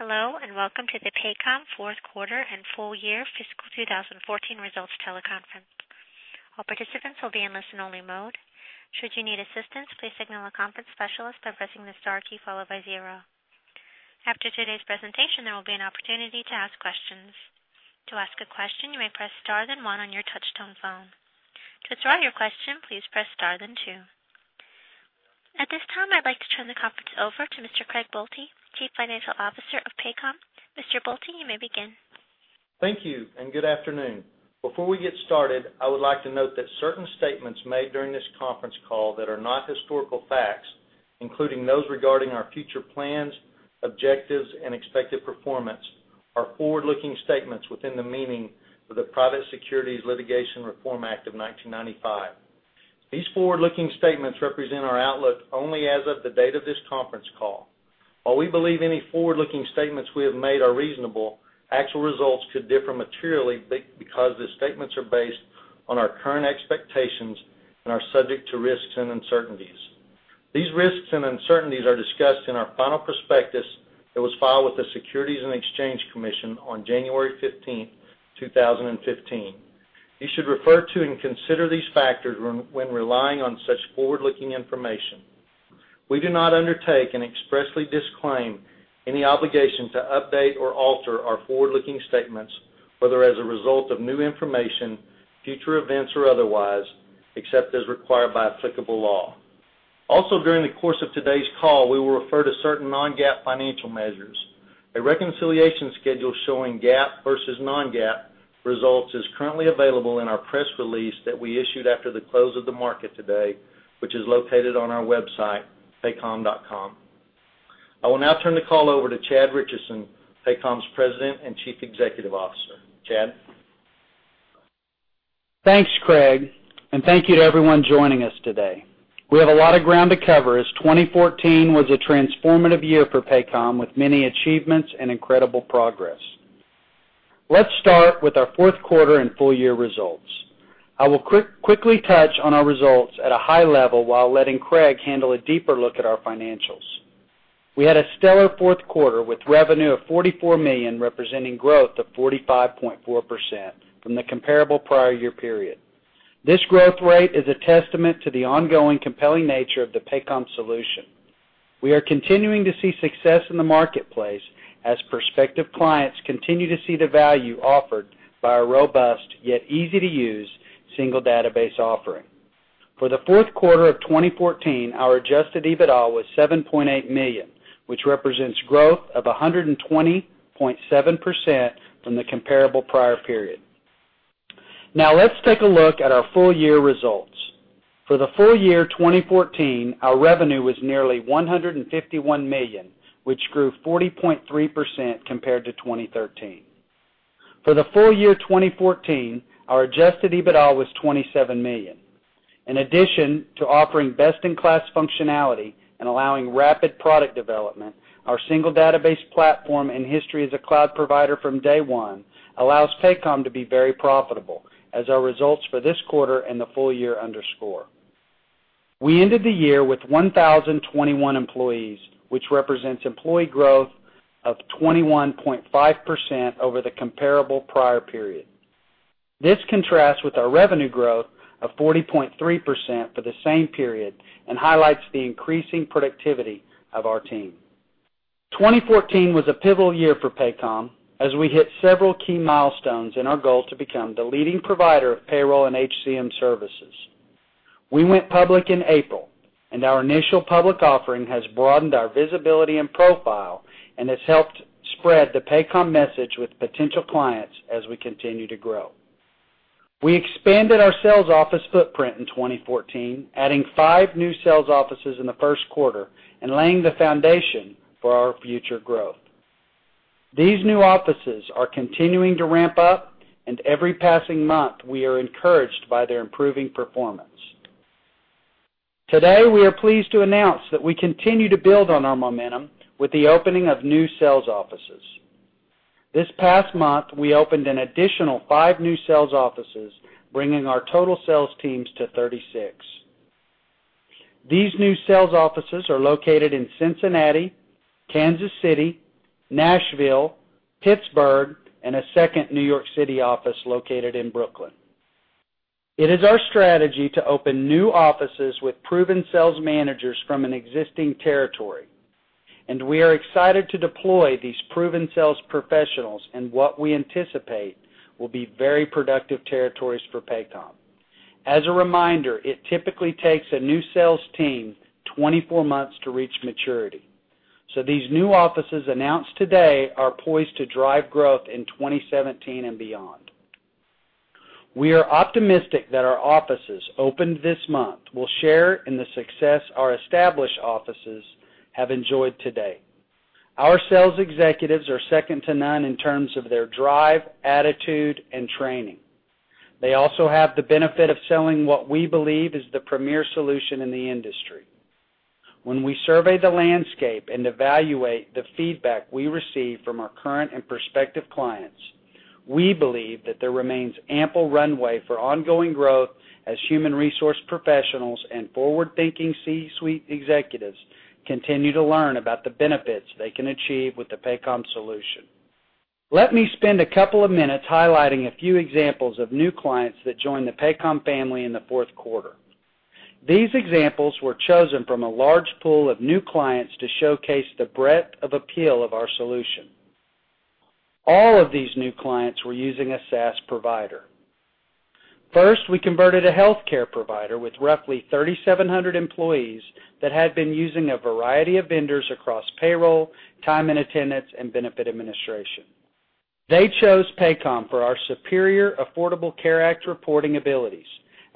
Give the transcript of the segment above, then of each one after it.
Hello, and welcome to the Paycom fourth quarter and full year fiscal 2014 results teleconference. All participants will be in listen-only mode. Should you need assistance, please signal a conference specialist by pressing the star key followed by 0. After today's presentation, there will be an opportunity to ask questions. To ask a question, you may press star then 1 on your touch-tone phone. To withdraw your question, please press star then 2. At this time, I'd like to turn the conference over to Mr. Craig Boelte, Chief Financial Officer of Paycom. Mr. Boelte, you may begin. Thank you. Good afternoon. Before we get started, I would like to note that certain statements made during this conference call that are not historical facts, including those regarding our future plans, objectives, and expected performance, are forward-looking statements within the meaning of the Private Securities Litigation Reform Act of 1995. These forward-looking statements represent our outlook only as of the date of this conference call. While we believe any forward-looking statements we have made are reasonable, actual results could differ materially because the statements are based on our current expectations and are subject to risks and uncertainties. These risks and uncertainties are discussed in our final prospectus that was filed with the Securities and Exchange Commission on January 15, 2015. You should refer to and consider these factors when relying on such forward-looking information. We do not undertake and expressly disclaim any obligation to update or alter our forward-looking statements, whether as a result of new information, future events, or otherwise, except as required by applicable law. During the course of today's call, we will refer to certain non-GAAP financial measures. A reconciliation schedule showing GAAP versus non-GAAP results is currently available in our press release that we issued after the close of the market today, which is located on our website, paycom.com. I will now turn the call over to Chad Richison, Paycom's President and Chief Executive Officer. Chad? Thanks, Craig. Thank you to everyone joining us today. We have a lot of ground to cover, as 2014 was a transformative year for Paycom, with many achievements and incredible progress. Let's start with our fourth quarter and full year results. I will quickly touch on our results at a high level while letting Craig handle a deeper look at our financials. We had a stellar fourth quarter with revenue of $44 million, representing growth of 45.4% from the comparable prior year period. This growth rate is a testament to the ongoing compelling nature of the Paycom solution. We are continuing to see success in the marketplace as prospective clients continue to see the value offered by our robust yet easy-to-use single database offering. For the fourth quarter of 2014, our adjusted EBITDA was $7.8 million, which represents growth of 120.7% from the comparable prior period. Let's take a look at our full year results. For the full year 2014, our revenue was nearly $151 million, which grew 40.3% compared to 2013. For the full year 2014, our adjusted EBITDA was $27 million. In addition to offering best-in-class functionality and allowing rapid product development, our single database platform and history as a cloud provider from day one allows Paycom to be very profitable, as our results for this quarter and the full year underscore. We ended the year with 1,021 employees, which represents employee growth of 21.5% over the comparable prior period. This contrasts with our revenue growth of 40.3% for the same period and highlights the increasing productivity of our team. 2014 was a pivotal year for Paycom as we hit several key milestones in our goal to become the leading provider of payroll and HCM services. We went public in April. Our initial public offering has broadened our visibility and profile and has helped spread the Paycom message with potential clients as we continue to grow. We expanded our sales office footprint in 2014, adding five new sales offices in the first quarter and laying the foundation for our future growth. These new offices are continuing to ramp up and every passing month, we are encouraged by their improving performance. Today, we are pleased to announce that we continue to build on our momentum with the opening of new sales offices. This past month, we opened an additional five new sales offices, bringing our total sales teams to 36. These new sales offices are located in Cincinnati, Kansas City, Nashville, Pittsburgh, and a second New York City office located in Brooklyn. It is our strategy to open new offices with proven sales managers from an existing territory. We are excited to deploy these proven sales professionals in what we anticipate will be very productive territories for Paycom. As a reminder, it typically takes a new sales team 24 months to reach maturity. These new offices announced today are poised to drive growth in 2017 and beyond. We are optimistic that our offices opened this month will share in the success our established offices have enjoyed to date. Our sales executives are second to none in terms of their drive, attitude, and training. They also have the benefit of selling what we believe is the premier solution in the industry. When we survey the landscape and evaluate the feedback we receive from our current and prospective clients, we believe that there remains ample runway for ongoing growth as human resource professionals and forward-thinking C-suite executives continue to learn about the benefits they can achieve with the Paycom solution. Let me spend a couple of minutes highlighting a few examples of new clients that joined the Paycom family in the fourth quarter. These examples were chosen from a large pool of new clients to showcase the breadth of appeal of our solution. All of these new clients were using a SaaS provider. First, we converted a healthcare provider with roughly 3,700 employees that had been using a variety of vendors across payroll, time and attendance, and benefit administration. They chose Paycom for our superior Affordable Care Act reporting abilities,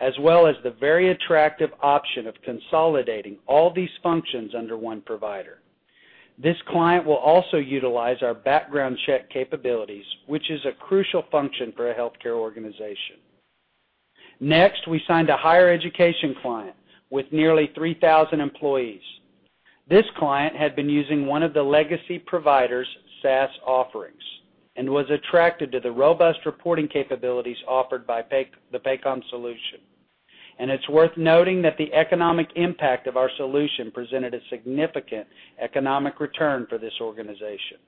as well as the very attractive option of consolidating all these functions under one provider. This client will also utilize our background check capabilities, which is a crucial function for a healthcare organization. Next, we signed a higher education client with nearly 3,000 employees. This client had been using one of the legacy provider's SaaS offerings and was attracted to the robust reporting capabilities offered by the Paycom solution. It's worth noting that the economic impact of our solution presented a significant economic return for this organization.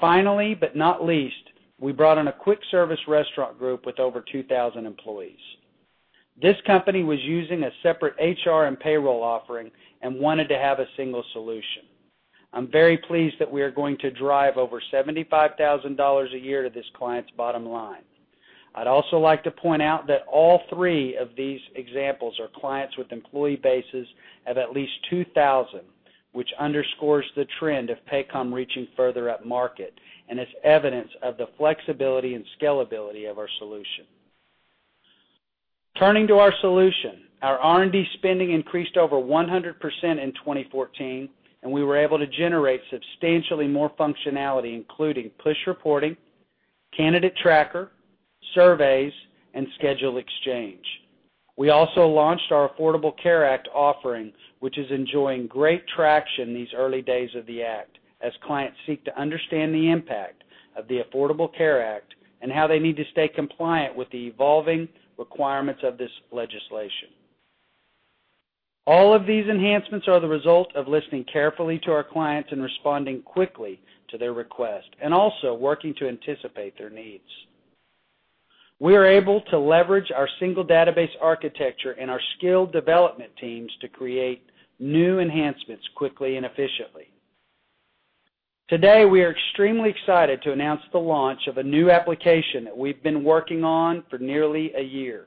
Finally, but not least, we brought on a quick service restaurant group with over 2,000 employees. This company was using a separate HR and payroll offering and wanted to have a single solution. I'm very pleased that we are going to drive over $75,000 a year to this client's bottom line. I'd also like to point out that all three of these examples are clients with employee bases of at least 2,000, which underscores the trend of Paycom reaching further upmarket and is evidence of the flexibility and scalability of our solution. Turning to our solution, our R&D spending increased over 100% in 2014, and we were able to generate substantially more functionality, including Push Reporting, Candidate Tracker, Paycom Surveys, and Schedule Exchange. We also launched our Affordable Care Act offering, which is enjoying great traction these early days of the act, as clients seek to understand the impact of the Affordable Care Act and how they need to stay compliant with the evolving requirements of this legislation. All of these enhancements are the result of listening carefully to our clients and responding quickly to their requests, and also working to anticipate their needs. We are able to leverage our single database architecture and our skilled development teams to create new enhancements quickly and efficiently. Today, we are extremely excited to announce the launch of a new application that we've been working on for nearly a year.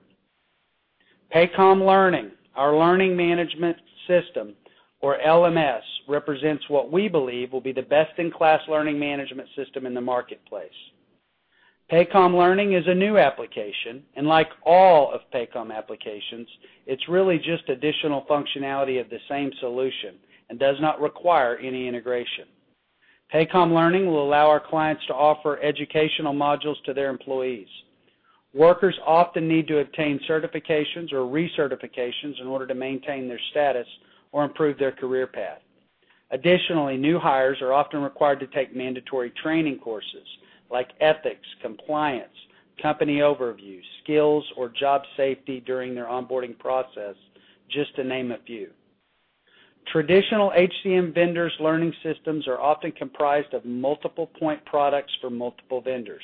Paycom Learning, our learning management system, or LMS, represents what we believe will be the best-in-class learning management system in the marketplace. Paycom Learning is a new application, and like all of Paycom applications, it's really just additional functionality of the same solution and does not require any integration. Paycom Learning will allow our clients to offer educational modules to their employees. Workers often need to obtain certifications or recertifications in order to maintain their status or improve their career path. New hires are often required to take mandatory training courses like ethics, compliance, company overviews, skills, or job safety during their onboarding process, just to name a few. Traditional HCM vendors' learning systems are often comprised of multiple point products for multiple vendors.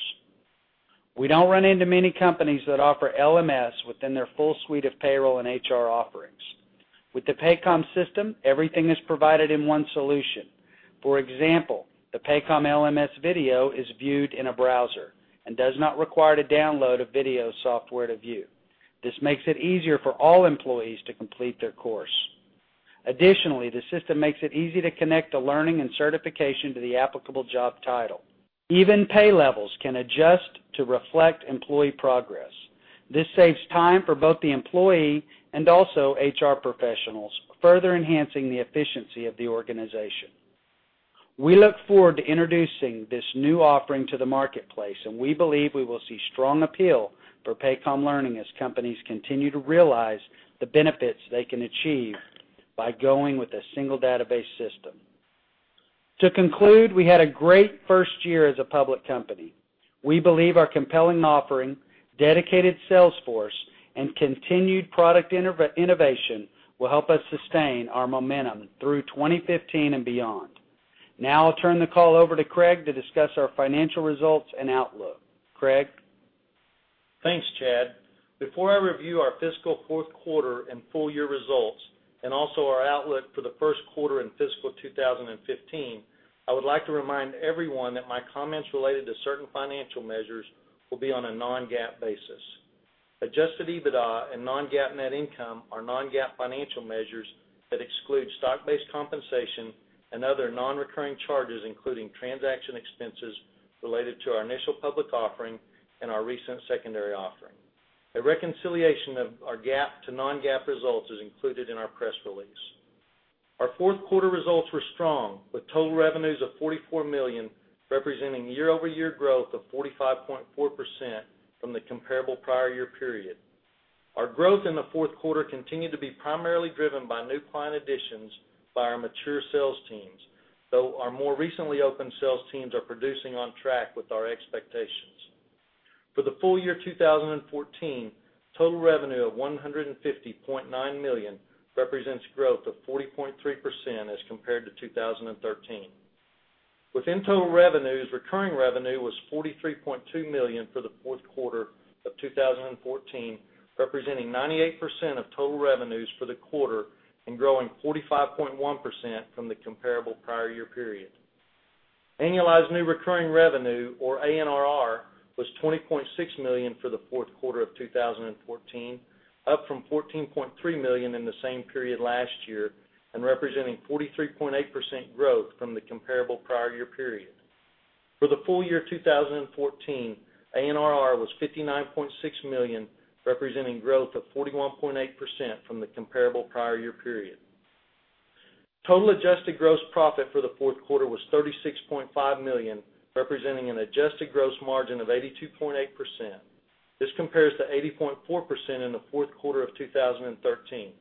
We don't run into many companies that offer LMS within their full suite of payroll and HR offerings. With the Paycom system, everything is provided in one solution. For example, the Paycom LMS video is viewed in a browser and does not require to download a video software to view. This makes it easier for all employees to complete their course. The system makes it easy to connect the learning and certification to the applicable job title. Even pay levels can adjust to reflect employee progress. This saves time for both the employee and also HR professionals, further enhancing the efficiency of the organization. We look forward to introducing this new offering to the marketplace. We believe we will see strong appeal for Paycom Learning as companies continue to realize the benefits they can achieve by going with a single database system. To conclude, we had a great first year as a public company. We believe our compelling offering, dedicated sales force, and continued product innovation will help us sustain our momentum through 2015 and beyond. Now I'll turn the call over to Craig to discuss our financial results and outlook. Craig? Thanks, Chad. Before I review our fiscal fourth quarter and full year results, also our outlook for the first quarter in fiscal 2015, I would like to remind everyone that my comments related to certain financial measures will be on a non-GAAP basis. Adjusted EBITDA and non-GAAP net income are non-GAAP financial measures that exclude stock-based compensation and other non-recurring charges, including transaction expenses related to our initial public offering and our recent secondary offering. A reconciliation of our GAAP to non-GAAP results is included in our press release. Our fourth quarter results were strong, with total revenues of $44 million, representing year-over-year growth of 45.4% from the comparable prior year period. Our growth in the fourth quarter continued to be primarily driven by new client additions by our mature sales teams, though our more recently opened sales teams are producing on track with our expectations. For the full year 2014, total revenue of $150.9 million represents growth of 40.3% as compared to 2013. Within total revenues, recurring revenue was $43.2 million for the fourth quarter of 2014, representing 98% of total revenues for the quarter and growing 45.1% from the comparable prior year period. Annualized new recurring revenue, or ANRR, was $20.6 million for the fourth quarter of 2014, up from $14.3 million in the same period last year and representing 43.8% growth from the comparable prior year period. For the full year 2014, ANRR was $59.6 million, representing growth of 41.8% from the comparable prior year period. Total adjusted gross profit for the fourth quarter was $36.5 million, representing an adjusted gross margin of 82.8%. This compares to 80.4% in the fourth quarter of 2013.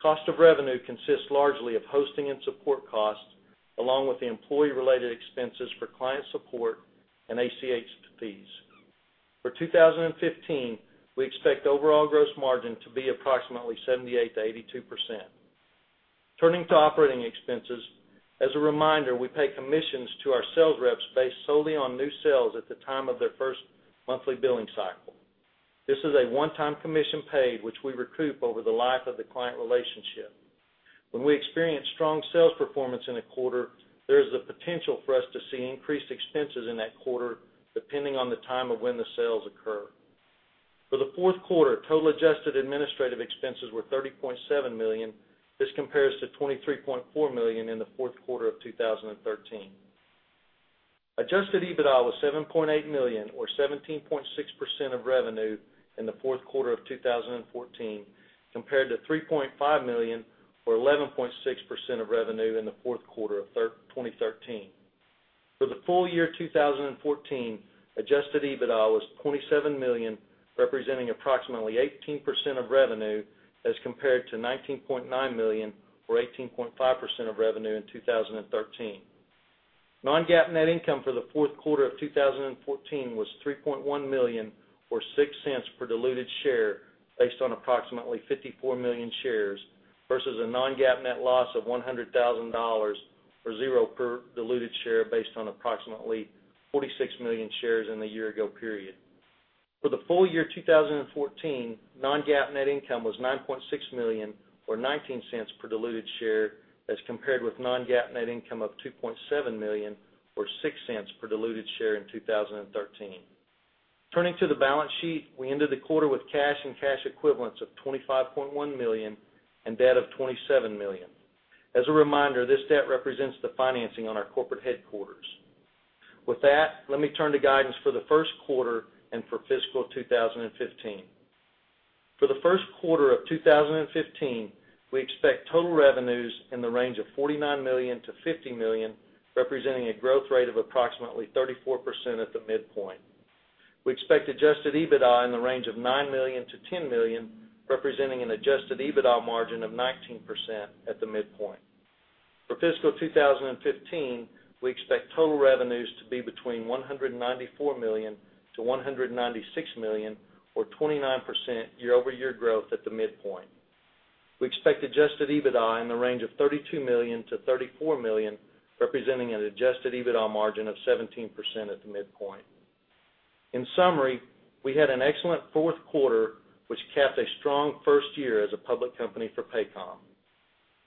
Cost of revenue consists largely of hosting and support costs, along with the employee-related expenses for client support and ACH fees. For 2015, we expect overall gross margin to be approximately 78%-82%. Turning to operating expenses. As a reminder, we pay commissions to our sales reps based solely on new sales at the time of their first monthly billing cycle. This is a one-time commission paid, which we recoup over the life of the client relationship. When we experience strong sales performance in a quarter, there is the potential for us to see increased expenses in that quarter, depending on the time of when the sales occur. For the fourth quarter, total adjusted administrative expenses were $30.7 million. This compares to $23.4 million in the fourth quarter of 2013. Adjusted EBITDA was $7.8 million, or 17.6% of revenue in the fourth quarter of 2014, compared to $3.5 million, or 11.6% of revenue in the fourth quarter of 2013. For the full year 2014, adjusted EBITDA was $27 million, representing approximately 18% of revenue as compared to $19.9 million or 18.5% of revenue in 2013. Non-GAAP net income for the fourth quarter of 2014 was $3.1 million, or $0.06 per diluted share based on approximately 54 million shares, versus a non-GAAP net loss of $100,000 or zero per diluted share based on approximately 46 million shares in the year ago period. For the full year 2014, non-GAAP net income was $9.6 million or $0.19 per diluted share, as compared with non-GAAP net income of $2.7 million, or $0.06 per diluted share in 2013. Turning to the balance sheet. We ended the quarter with cash and cash equivalents of $25.1 million and debt of $27 million. As a reminder, this debt represents the financing on our corporate headquarters. With that, let me turn to guidance for the first quarter and for fiscal 2015. For the first quarter of 2015, we expect total revenues in the range of $49 million-$50 million, representing a growth rate of approximately 34% at the midpoint. We expect adjusted EBITDA in the range of $9 million-$10 million, representing an adjusted EBITDA margin of 19% at the midpoint. For fiscal 2015, we expect total revenues to be between $194 million-$196 million, or 29% year-over-year growth at the midpoint. We expect adjusted EBITDA in the range of $32 million-$34 million, representing an adjusted EBITDA margin of 17% at the midpoint. In summary, we had an excellent fourth quarter, which capped a strong first year as a public company for Paycom.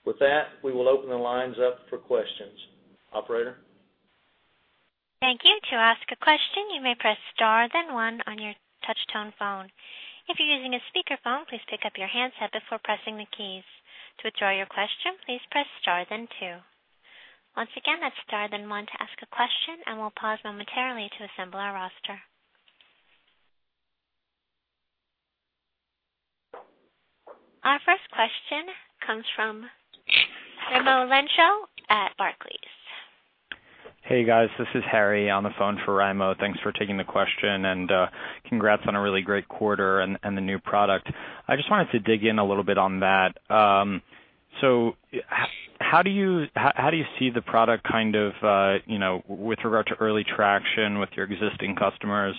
With that, we will open the lines up for questions. Operator? Thank you. To ask a question, you may press star then one on your touch-tone phone. If you're using a speakerphone, please pick up your handset before pressing the keys. To withdraw your question, please press star then two. Once again, that's star then one to ask a question, and we'll pause momentarily to assemble our roster. Our first question comes from Raimo Lenschow at Barclays. Hey, guys. This is Harry on the phone for Raimo. Thanks for taking the question and congrats on a really great quarter and the new product. I just wanted to dig in a little bit on that. How do you see the product kind of with regard to early traction with your existing customers,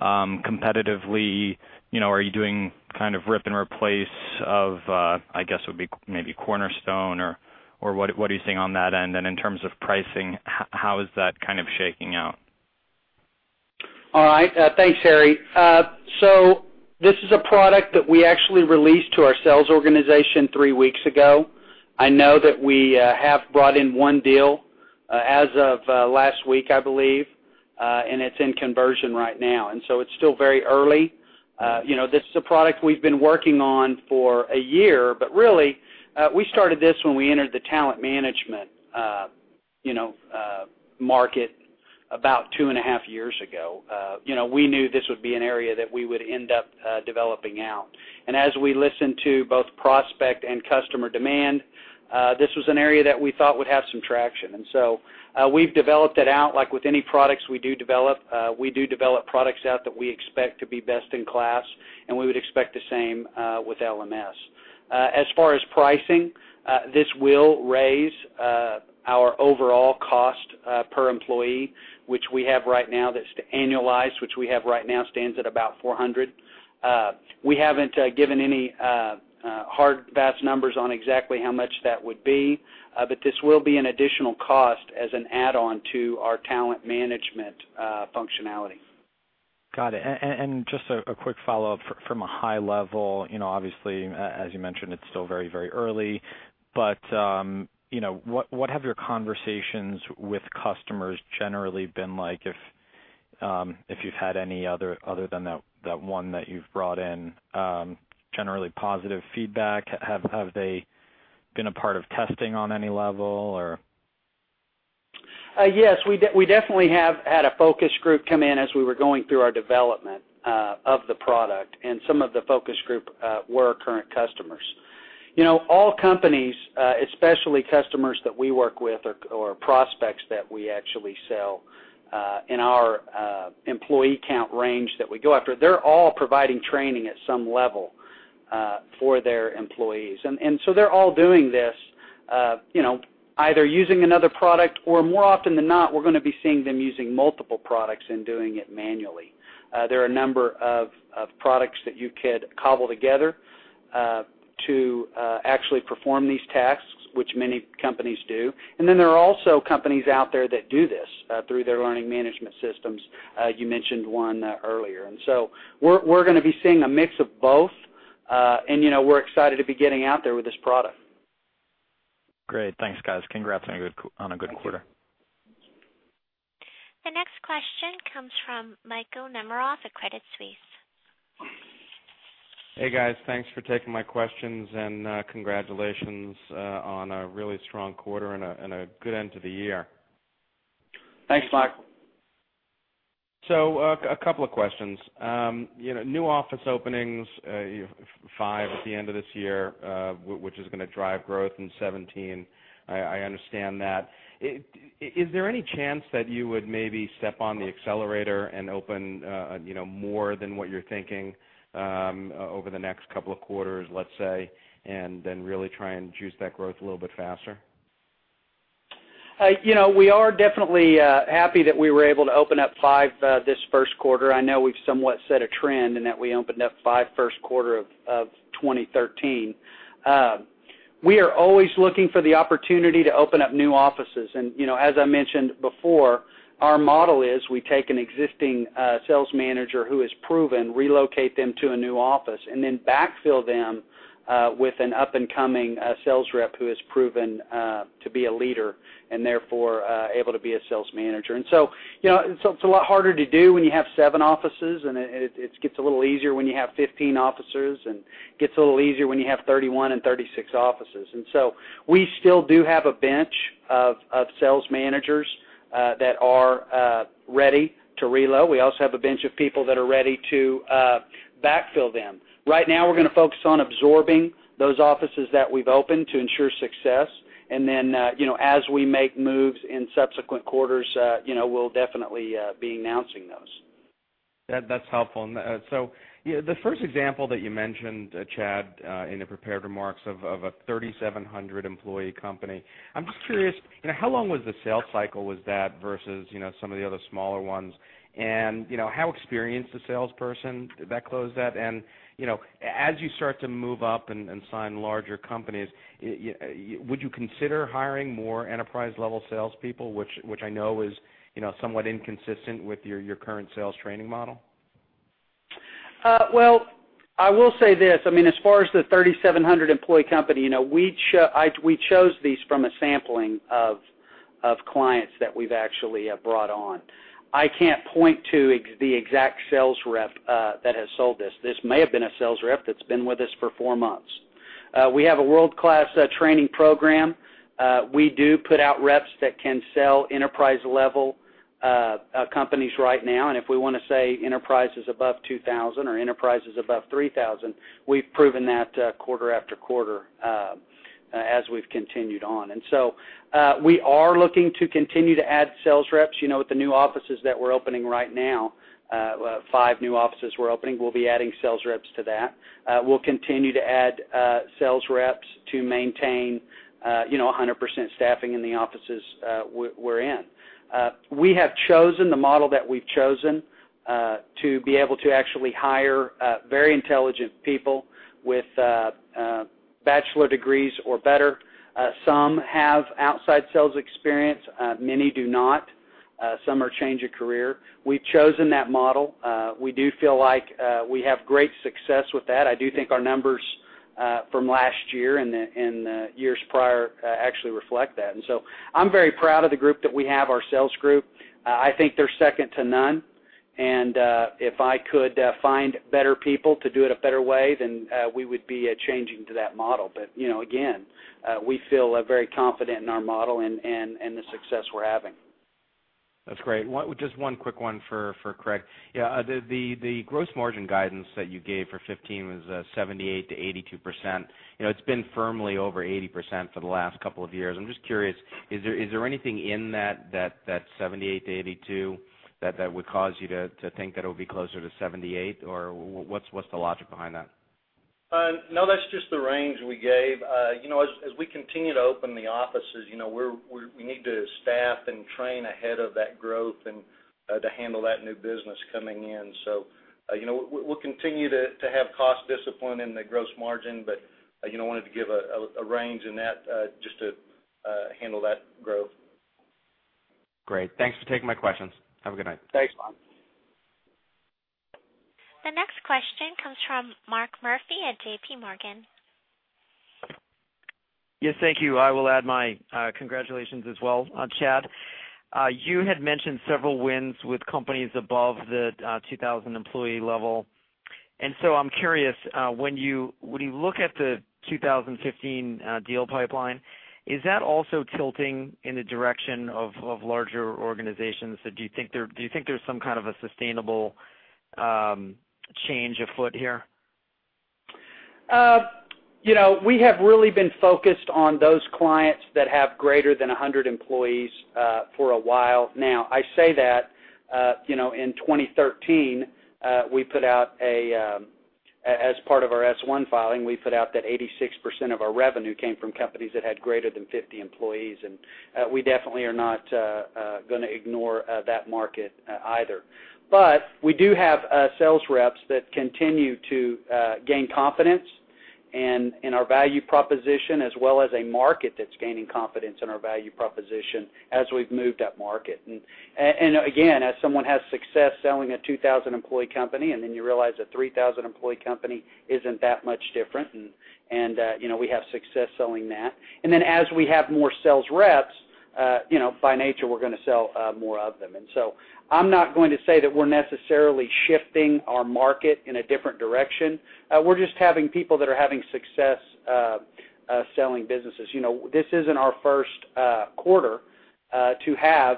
competitively, are you doing kind of rip and replace of, I guess would be maybe Cornerstone or what are you seeing on that end? In terms of pricing, how is that kind of shaking out? All right. Thanks, Harry. This is a product that we actually released to our sales organization three weeks ago. I know that we have brought in one deal as of last week, I believe, and it's in conversion right now, it's still very early. This is a product we've been working on for a year, but really, we started this when we entered the talent management market about two and a half years ago. We knew this would be an area that we would end up developing out. As we listen to both prospect and customer demand, this was an area that we thought would have some traction. We've developed it out like with any products we do develop, we do develop products out that we expect to be best in class, and we would expect the same with LMS. As far as pricing, this will raise our overall cost per employee, which we have right now that's annualized, which we have right now stands at about $400. We haven't given any hard vast numbers on exactly how much that would be, but this will be an additional cost as an add-on to our talent management functionality. Got it. Just a quick follow-up from a high level, obviously, as you mentioned, it's still very early, but what have your conversations with customers generally been like if you've had any other than that one that you've brought in, generally positive feedback? Have they been a part of testing on any level or? Yes. We definitely have had a focus group come in as we were going through our development of the product, and some of the focus group were our current customers. All companies, especially customers that we work with or prospects that we actually sell, in our employee count range that we go after, they're all providing training at some level, for their employees. They're all doing this, either using another product or more often than not, we're going to be seeing them using multiple products and doing it manually. There are a number of products that you could cobble together, to actually perform these tasks, which many companies do. There are also companies out there that do this, through their learning management systems. You mentioned one earlier. We're going to be seeing a mix of both, and we're excited to be getting out there with this product. Great. Thanks, guys. Congrats on a good quarter. Thank you. The next question comes from Michael Nemeroff at Credit Suisse. Hey, guys. Thanks for taking my questions, and congratulations on a really strong quarter and a good end to the year. Thanks, Mike. A couple of questions. New office openings, five at the end of this year, which is going to drive growth in 2017. I understand that. Is there any chance that you would maybe step on the accelerator and open more than what you're thinking, over the next couple of quarters, let's say, and then really try and juice that growth a little bit faster? We are definitely happy that we were able to open up five this first quarter. I know we've somewhat set a trend in that we opened up five first quarter of 2013. We are always looking for the opportunity to open up new offices. As I mentioned before, our model is we take an existing sales manager who is proven, relocate them to a new office, and then backfill them, with an up-and-coming sales rep who has proven to be a leader and therefore, able to be a sales manager. It's a lot harder to do when you have seven offices, and it gets a little easier when you have 15 offices, and gets a little easier when you have 31 and 36 offices. We still do have a bench of sales managers that are ready to reload. We also have a bench of people that are ready to backfill them. Right now, we're going to focus on absorbing those offices that we've opened to ensure success. As we make moves in subsequent quarters, we'll definitely be announcing those. That's helpful. The first example that you mentioned, Chad, in the prepared remarks of a 3,700-employee company, I'm just curious, how long was the sales cycle was that versus some of the other smaller ones? How experienced a salesperson did that close that? As you start to move up and sign larger companies, would you consider hiring more enterprise-level salespeople, which I know is somewhat inconsistent with your current sales training model? I will say this, as far as the 3,700-employee company, we chose these from a sampling of clients that we've actually brought on. I can't point to the exact sales rep that has sold this. This may have been a sales rep that's been with us for four months. We have a world-class training program. We do put out reps that can sell enterprise-level companies right now, and if we want to say enterprises above 2,000 or enterprises above 3,000, we've proven that quarter after quarter, as we've continued on. We are looking to continue to add sales reps. With the new offices that we're opening right now, five new offices we're opening, we'll be adding sales reps to that. We'll continue to add sales reps to maintain 100% staffing in the offices we're in. We have chosen the model that we've chosen, to be able to actually hire very intelligent people with bachelor degrees or better. Some have outside sales experience, many do not. Some are change of career. We've chosen that model. We do feel like we have great success with that. I do think our numbers from last year and the years prior actually reflect that. I'm very proud of the group that we have, our sales group. I think they're second to none. If I could find better people to do it a better way, then we would be changing to that model. Again, we feel very confident in our model and the success we're having. That's great. Just one quick one for Craig. Yeah. The gross margin guidance that you gave for 2015 was 78%-82%. It's been firmly over 80% for the last couple of years. I'm just curious, is there anything in that 78-82 that would cause you to think that it would be closer to 78, or what's the logic behind that? No, that's just the range we gave. As we continue to open the offices, we need to staff and train ahead of that growth and to handle that new business coming in. We'll continue to have cost discipline in the gross margin, but I wanted to give a range in that, just to handle that growth. Great. Thanks for taking my questions. Have a good night. Thanks, Mark. The next question comes from Mark Murphy at J.P. Morgan. Yes. Thank you. I will add my congratulations as well on Chad. You had mentioned several wins with companies above the 2,000-employee level. I'm curious, when you look at the 2015 deal pipeline, is that also tilting in the direction of larger organizations? Do you think there's some kind of a sustainable change afoot here? We have really been focused on those clients that have greater than 100 employees, for a while now. I say that, in 2013, as part of our S-1 filing, we put out that 86% of our revenue came from companies that had greater than 50 employees. We definitely are not going to ignore that market either. We do have sales reps that continue to gain confidence and in our value proposition, as well as a market that's gaining confidence in our value proposition, as we've moved up market. Again, as someone has success selling a 2,000-employee company, and then you realize a 3,000-employee company isn't that much different, and we have success selling that. As we have more sales reps, by nature, we're going to sell more of them. I'm not going to say that we're necessarily shifting our market in a different direction. We're just having people that are having success selling businesses. This isn't our first quarter to have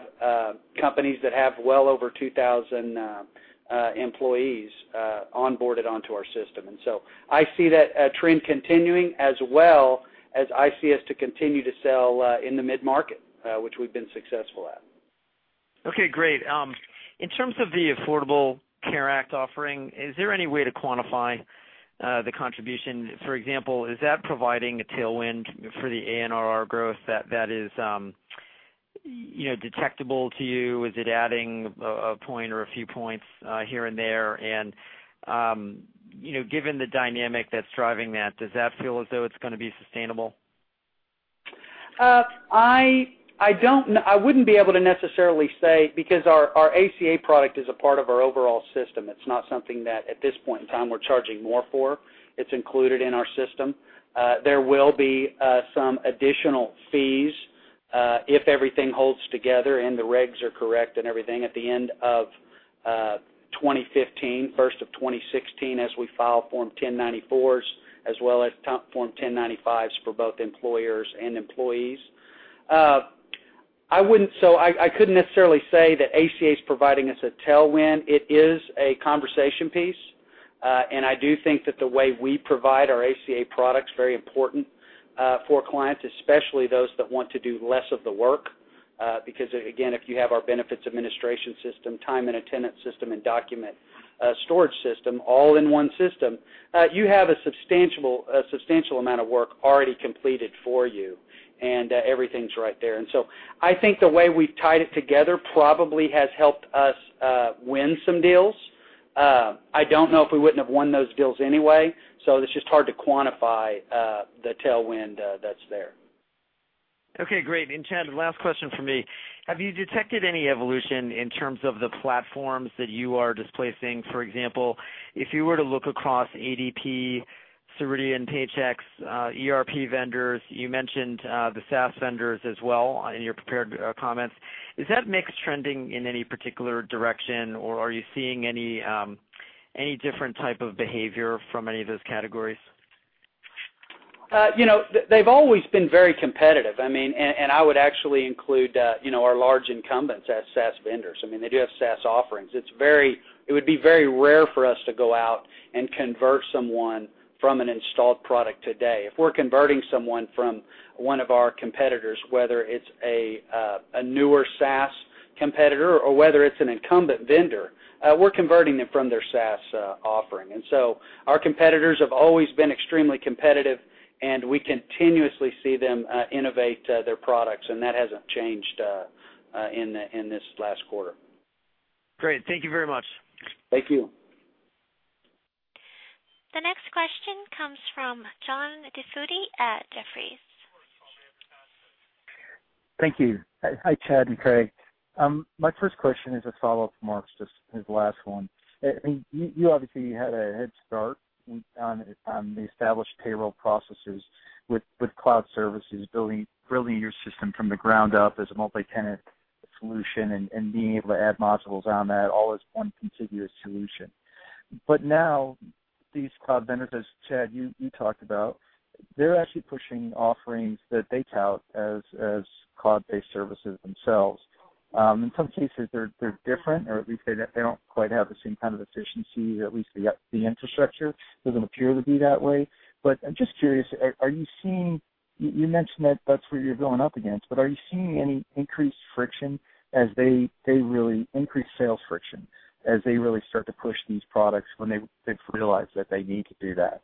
companies that have well over 2,000 employees onboarded onto our system. I see that trend continuing as well as I see us to continue to sell in the mid-market, which we've been successful at. Okay, great. In terms of the Affordable Care Act offering, is there any way to quantify the contribution? For example, is that providing a tailwind for the ANRR growth that is detectable to you? Is it adding a point or a few points here and there? Given the dynamic that's driving that, does that feel as though it's going to be sustainable? I wouldn't be able to necessarily say, because our ACA product is a part of our overall system. It's not something that, at this point in time, we're charging more for. It's included in our system. There will be some additional fees, if everything holds together and the regs are correct and everything, at the end of 2015, first of 2016, as we file Form 1094, as well as Form 1095 for both employers and employees. I couldn't necessarily say that ACA is providing us a tailwind. It is a conversation piece, and I do think that the way we provide our ACA product's very important for clients, especially those that want to do less of the work. Again, if you have our benefits administration system, time and attendance system, and document storage system all in one system, you have a substantial amount of work already completed for you, and everything's right there. I think the way we've tied it together probably has helped us win some deals. I don't know if we wouldn't have won those deals anyway, so it's just hard to quantify the tailwind that's there. Okay, great. Chad, last question from me. Have you detected any evolution in terms of the platforms that you are displacing? For example, if you were to look across ADP, Ceridian, Paychex, ERP vendors, you mentioned the SaaS vendors as well in your prepared comments. Is that mix trending in any particular direction, or are you seeing any different type of behavior from any of those categories? They've always been very competitive. I would actually include our large incumbents as SaaS vendors. They do have SaaS offerings. It would be very rare for us to go out and convert someone from an installed product today. If we're converting someone from one of our competitors, whether it's a newer SaaS competitor or whether it's an incumbent vendor, we're converting them from their SaaS offering. So our competitors have always been extremely competitive, and we continuously see them innovate their products, and that hasn't changed in this last quarter. Great. Thank you very much. Thank you. The next question comes from John DiFucci at Jefferies. Thank you. Hi, Chad and Craig. My first question is a follow-up to Mark's, just his last one. You obviously had a head start on the established payroll processes with cloud services, building your system from the ground up as a multi-tenant solution and being able to add modules on that, all as one contiguous solution. now These cloud vendors, as Chad, you talked about, they're actually pushing offerings that they tout as cloud-based services themselves. In some cases, they're different, or at least they don't quite have the same kind of efficiency, or at least the infrastructure doesn't appear to be that way. I'm just curious, you mentioned that that's where you're going up against, but are you seeing any increased friction as they really increase sales friction, as they really start to push these products when they realize that they need to do that?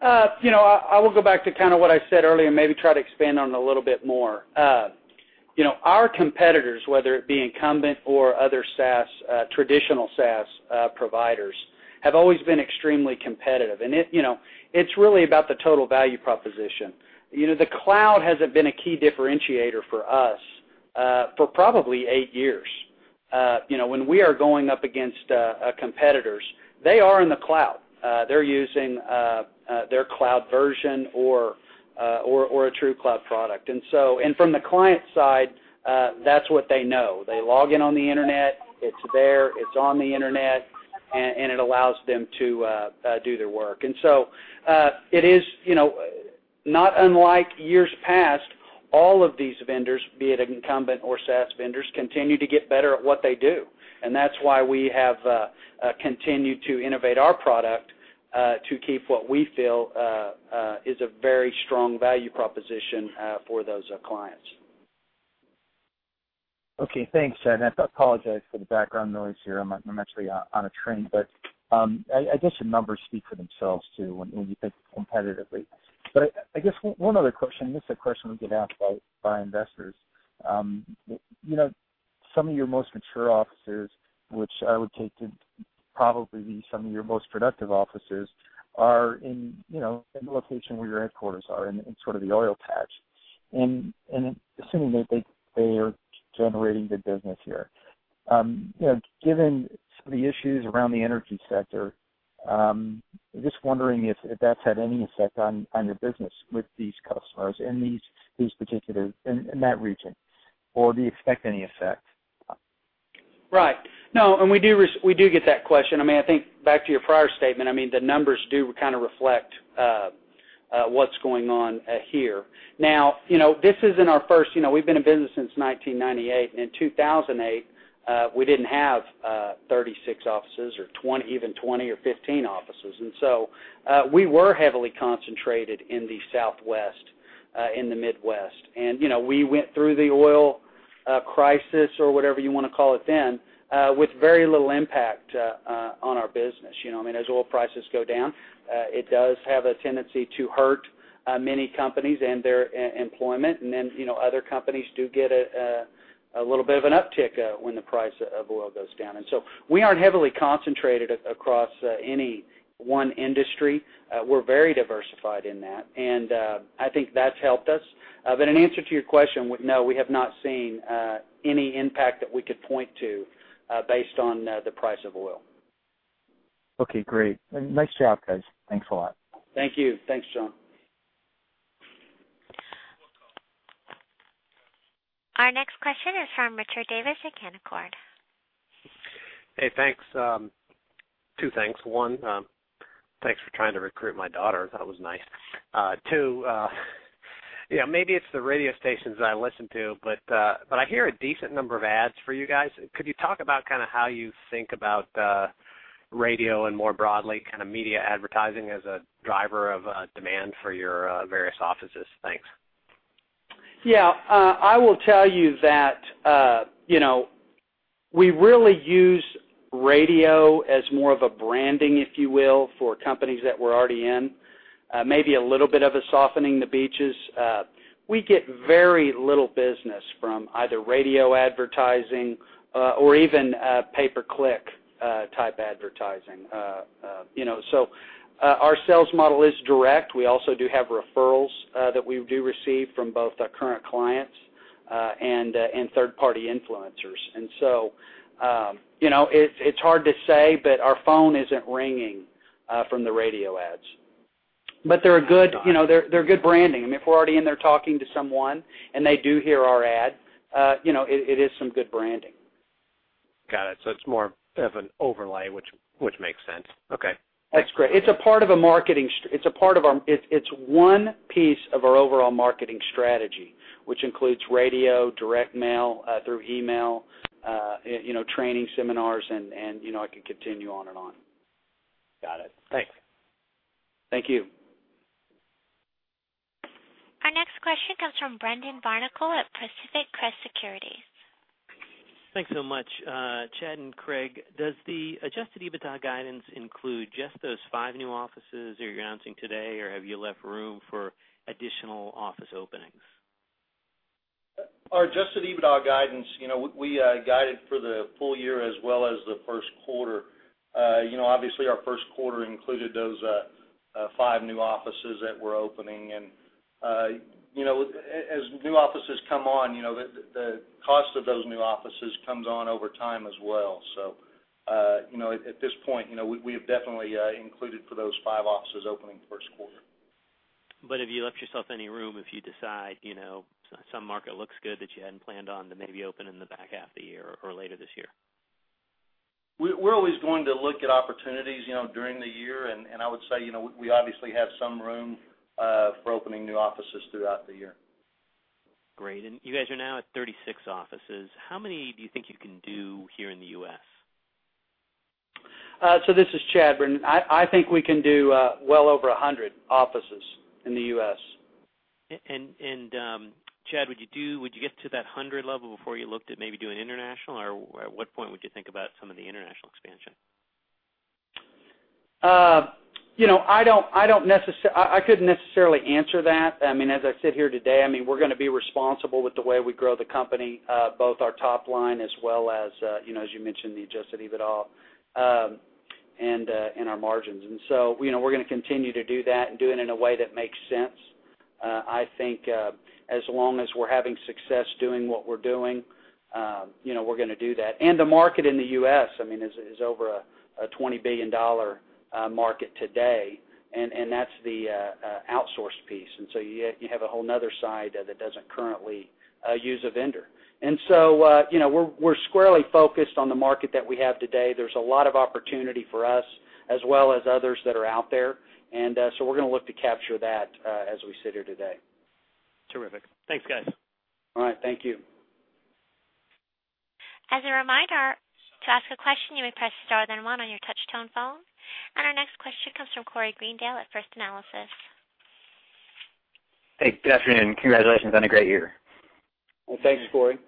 I will go back to kind of what I said earlier and maybe try to expand on it a little bit more. Our competitors, whether it be incumbent or other traditional SaaS providers, have always been extremely competitive. It's really about the total value proposition. The cloud hasn't been a key differentiator for us for probably eight years. When we are going up against competitors, they are in the cloud. They're using their cloud version or a true cloud product. From the client side, that's what they know. They log in on the internet, it's there, it's on the internet, and it allows them to do their work. So, it is not unlike years past, all of these vendors, be it incumbent or SaaS vendors, continue to get better at what they do. That's why we have continued to innovate our product, to keep what we feel is a very strong value proposition for those clients. Okay, thanks. I apologize for the background noise here. I'm actually on a train. I guess the numbers speak for themselves, too, when you think competitively. I guess one other question, this is a question we get asked by investors. Some of your most mature offices, which I would take to probably be some of your most productive offices, are in the location where your headquarters are in sort of the oil patch, assuming that they are generating good business here. Given some of the issues around the energy sector, I'm just wondering if that's had any effect on your business with these customers in that region, or do you expect any effect? Right. No, we do get that question. I think back to your prior statement, the numbers do kind of reflect what's going on here. Now, we've been in business since 1998. In 2008, we didn't have 36 offices or even 20 or 15 offices. We were heavily concentrated in the Southwest, in the Midwest. We went through the oil crisis, or whatever you want to call it then, with very little impact on our business. As oil prices go down, it does have a tendency to hurt many companies and their employment, then other companies do get a little bit of an uptick when the price of oil goes down. We aren't heavily concentrated across any one industry. We're very diversified in that, and I think that's helped us. In answer to your question, no, we have not seen any impact that we could point to based on the price of oil. Okay, great. Nice job, guys. Thanks a lot. Thank you. Thanks, John. Our next question is from Richard Davis at Canaccord. Hey, thanks. Two things. One, thanks for trying to recruit my daughter. That was nice. Two, maybe it's the radio stations that I listen to, but I hear a decent number of ads for you guys. Could you talk about kind of how you think about radio and more broadly, kind of media advertising as a driver of demand for your various offices? Thanks. Yeah. I will tell you that we really use radio as more of a branding, if you will, for companies that we're already in. Maybe a little bit of a softening the beaches. We get very little business from either radio advertising or even pay-per-click type advertising. Our sales model is direct. We also do have referrals that we do receive from both our current clients and third-party influencers. It's hard to say, but our phone isn't ringing from the radio ads. They're good branding. If we're already in there talking to someone, and they do hear our ad, it is some good branding. Got it. It's more of an overlay, which makes sense. Okay. That's correct. It's one piece of our overall marketing strategy, which includes radio, direct mail, through email, training seminars, and I could continue on and on. Got it. Thanks. Thank you. Our next question comes from Brendan Barnicle at Pacific Crest Securities. Thanks so much. Chad and Craig, does the adjusted EBITDA guidance include just those five new offices you're announcing today, or have you left room for additional office openings? Our adjusted EBITDA guidance, we guided for the full year as well as the first quarter. Obviously, our first quarter included those five new offices that we're opening. As new offices come on, the cost of those new offices comes on over time as well. At this point, we have definitely included for those five offices opening. Have you left yourself any room if you decide some market looks good that you hadn't planned on to maybe open in the back half of the year or later this year? We're always going to look at opportunities during the year, and I would say, we obviously have some room for opening new offices throughout the year. Great. You guys are now at 36 offices. How many do you think you can do here in the U.S.? This is Chad. Brendan, I think we can do well over 100 offices in the U.S. Chad, would you get to that 100 level before you looked at maybe doing international, or at what point would you think about some of the international expansion? I couldn't necessarily answer that. As I sit here today, we're going to be responsible with the way we grow the company, both our top line as well as you mentioned, the adjusted EBITDA, and our margins. We're going to continue to do that and do it in a way that makes sense. I think, as long as we're having success doing what we're doing, we're going to do that. The market in the U.S. is over a $20 billion market today, and that's the outsource piece. You have a whole another side that doesn't currently use a vendor. We're squarely focused on the market that we have today. There's a lot of opportunity for us, as well as others that are out there. We're going to look to capture that, as we sit here today. Terrific. Thanks, guys. All right. Thank you. As a reminder, to ask a question, you may press star, then one on your touch-tone phone. Our next question comes from Corey Greendale at First Analysis. Hey, good afternoon. Congratulations on a great year. Well, thanks, Corey.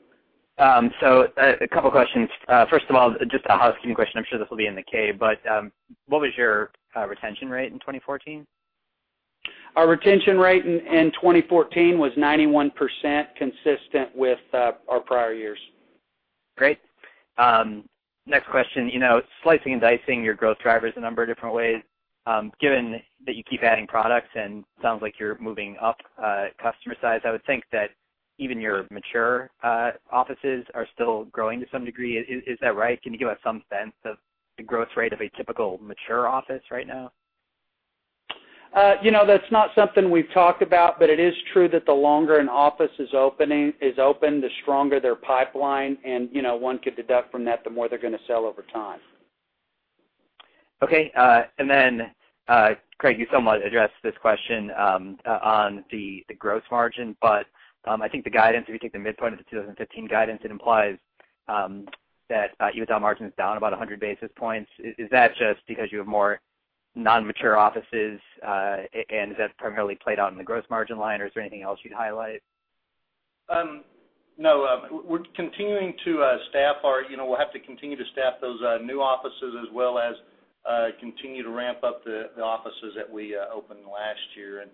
A couple of questions. First of all, just a housekeeping question. I'm sure this will be in the K, but what was your retention rate in 2014? Our retention rate in 2014 was 91%, consistent with our prior years. Great. Next question. Slicing and dicing your growth drivers a number of different ways, given that you keep adding products and sounds like you're moving up customer size, I would think that even your mature offices are still growing to some degree. Is that right? Can you give us some sense of the growth rate of a typical mature office right now? That's not something we've talked about, but it is true that the longer an office is open, the stronger their pipeline and, one could deduct from that, the more they're going to sell over time. Okay. Then, Craig, you somewhat addressed this question on the gross margin, but, I think the guidance, if you take the midpoint of the 2015 guidance, it implies that EBITDA margin is down about 100 basis points. Is that just because you have more non-mature offices, and is that primarily played out in the gross margin line, or is there anything else you'd highlight? No, we'll have to continue to staff those new offices as well as continue to ramp up the offices that we opened last year.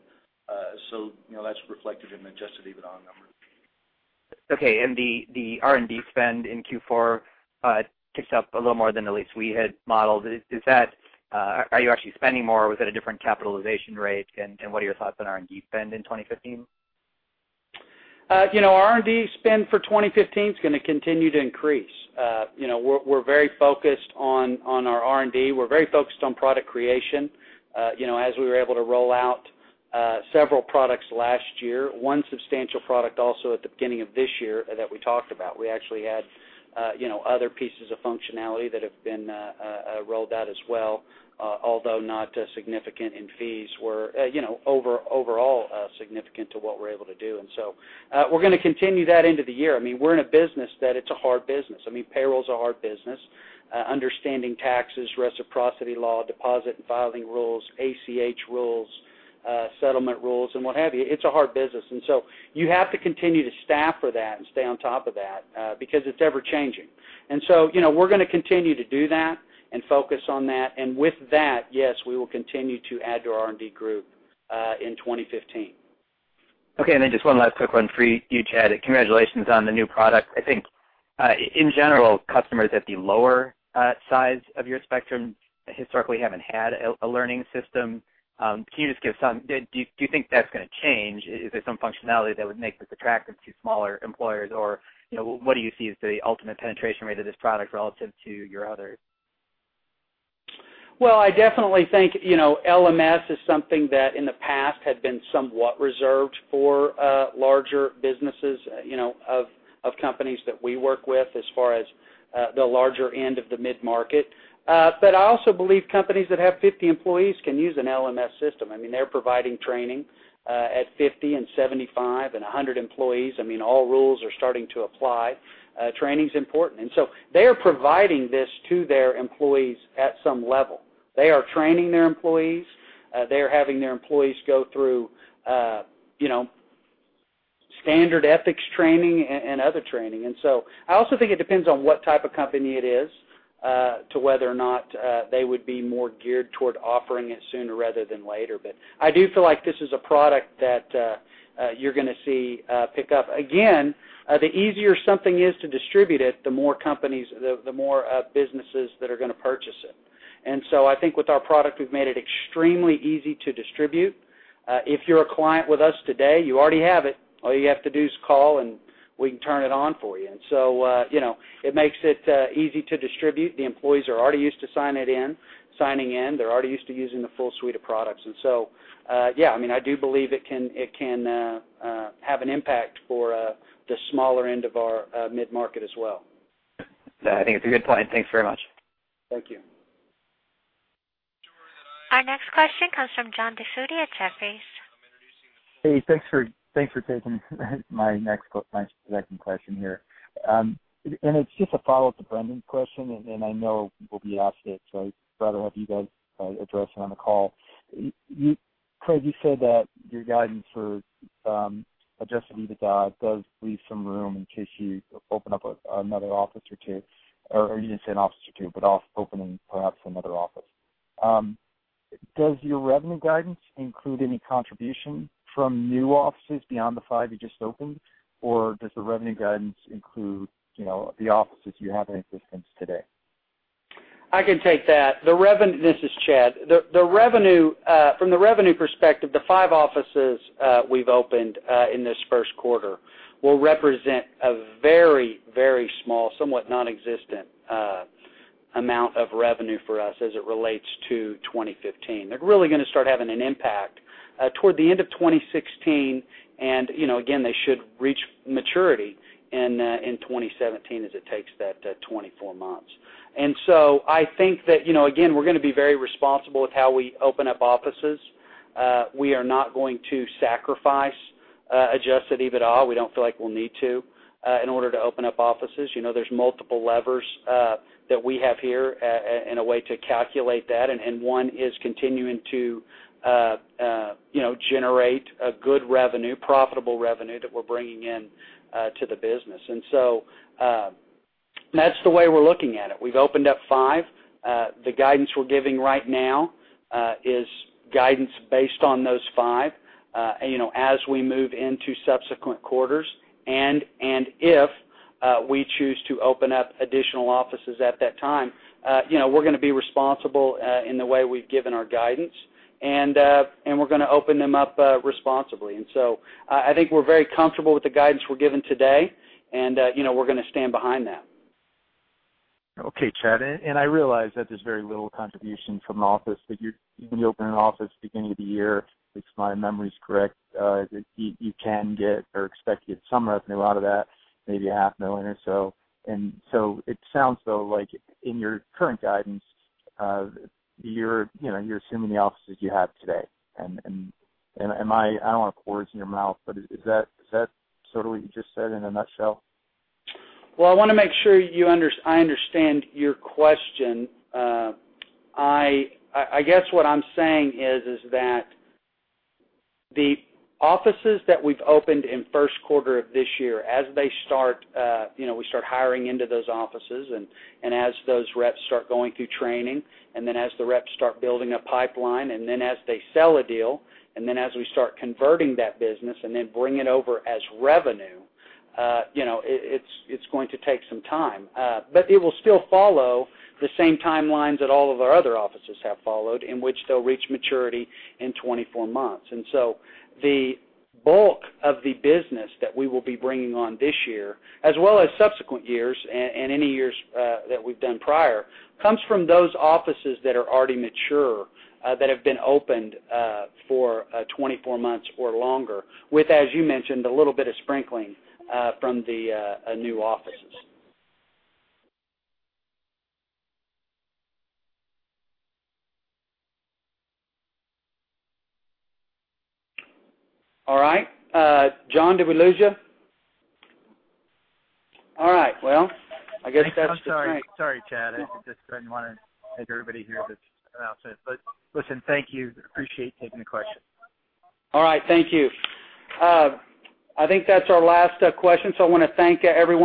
That's reflected in the adjusted EBITDA numbers. Okay. The R&D spend in Q4 ticks up a little more than at least we had modeled. Are you actually spending more, or was it a different capitalization rate? What are your thoughts on R&D spend in 2015? R&D spend for 2015 is going to continue to increase. We're very focused on our R&D. We're very focused on product creation. We were able to roll out several products last year, one substantial product also at the beginning of this year that we talked about. We actually had other pieces of functionality that have been rolled out as well, although not significant in fees overall, significant to what we're able to do. We're going to continue that into the year. We're in a business that it's a hard business. Payroll's a hard business. Understanding taxes, reciprocity law, deposit and filing rules, ACH rules, settlement rules, and what have you. It's a hard business. You have to continue to staff for that and stay on top of that, because it's ever-changing. We're going to continue to do that and focus on that. With that, yes, we will continue to add to our R&D group, in 2015. Okay. Just one last quick one for you, Chad. Congratulations on the new product. I think, in general, customers at the lower size of your spectrum historically haven't had a learning system. Do you think that's going to change? Is there some functionality that would make this attractive to smaller employers, or what do you see as the ultimate penetration rate of this product relative to your others? Well, I definitely think LMS is something that in the past had been somewhat reserved for larger businesses of companies that we work with as far as the larger end of the mid-market. I also believe companies that have 50 employees can use an LMS system. They're providing training, at 50 and 75 and 100 employees. All rules are starting to apply. Training's important. They are providing this to their employees at some level. They are training their employees. They are having their employees go through standard ethics training and other training. I also think it depends on what type of company it is, to whether or not they would be more geared toward offering it sooner rather than later. I do feel like this is a product that you're going to see pick up. Again, the easier something is to distribute it, the more businesses that are going to purchase it. I think with our product, we've made it extremely easy to distribute. If you're a client with us today, you already have it. All you have to do is call. We can turn it on for you. It makes it easy to distribute. The employees are already used to signing in, they're already used to using the full suite of products. Yeah, I do believe it can have an impact for the smaller end of our mid-market as well. Yeah, I think it's a good point. Thanks very much. Thank you. Our next question comes from John DiFucci at Jefferies. Hey, thanks for taking my next question here. It's just a follow-up to Brendan's question, and I know we'll be asked it, so I'd rather have you guys address it on the call. Craig, you said that your guidance for adjusted EBITDA does leave some room in case you open up another office or two, or you didn't say an office or two, but opening perhaps another office. Does your revenue guidance include any contribution from new offices beyond the five you just opened, or does the revenue guidance include the offices you have in existence today? I can take that. This is Chad. From the revenue perspective, the five offices we've opened in this first quarter will represent a very, very small, somewhat nonexistent amount of revenue for us as it relates to 2015. They're really going to start having an impact toward the end of 2016, and again, they should reach maturity in 2017, as it takes that 24 months. I think that, again, we're going to be very responsible with how we open up offices. We are not going to sacrifice adjusted EBITDA. We don't feel like we'll need to in order to open up offices. There's multiple levers that we have here in a way to calculate that, and one is continuing to generate a good revenue, profitable revenue, that we're bringing in to the business. That's the way we're looking at it. We've opened up five. The guidance we're giving right now is guidance based on those five. As we move into subsequent quarters, if we choose to open up additional offices at that time, we're going to be responsible in the way we've given our guidance, and we're going to open them up responsibly. I think we're very comfortable with the guidance we're giving today, and we're going to stand behind that. Okay, Chad. I realize that there's very little contribution from an office, but when you open an office beginning of the year, if my memory's correct, you can get or expect to get some revenue out of that, maybe a half million or so. It sounds, though, like in your current guidance, you're assuming the offices you have today. I don't want to put words in your mouth, but is that sort of what you just said in a nutshell? Well, I want to make sure I understand your question. I guess what I'm saying is that the offices that we've opened in first quarter of this year, as we start hiring into those offices, as those reps start going through training, as the reps start building a pipeline, as they sell a deal, as we start converting that business and then bring it over as revenue, it's going to take some time. It will still follow the same timelines that all of our other offices have followed, in which they'll reach maturity in 24 months. The bulk of the business that we will be bringing on this year, as well as subsequent years, and any years that we've done prior, comes from those offices that are already mature, that have been opened for 24 months or longer, with, as you mentioned, a little bit of sprinkling from the new offices. All right. John, did we lose you? All right, well, I guess that's the thing. I'm sorry. Sorry, Chad, I just didn't want to take everybody here to announcement. Listen, thank you. Appreciate taking the question. All right, thank you. I think that's our last question, so I want to thank everyone.